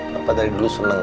papa tadi dulu seneng